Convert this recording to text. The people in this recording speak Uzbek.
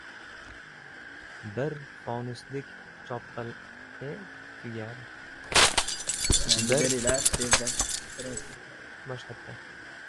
Bir fonuslik chopqillaydi. Ko‘chadan ot yetaklab keladi. Supa oldida bel qiladi.